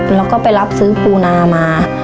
แล้วก็ไปรับซื้อปูนามา